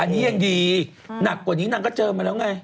อันนี้ยังดีหนักกว่านี้นางก็เจอมาแล้วไง